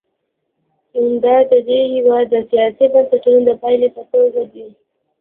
دا د دې هېواد د سیاسي بنسټونو د پایلې په توګه دي.